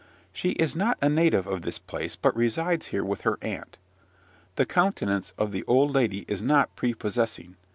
She is not a native of this place, but resides here with her aunt. The countenance of the old lady is not prepossessing.